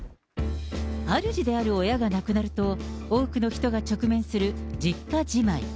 あるじである親が亡くなると、多くの人が直面する実家じまい。